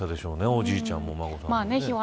おじいちゃんもお孫さんもね。